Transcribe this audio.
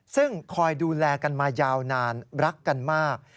ซึ่งคอยดูแลกันมายาวนานรักกันมาก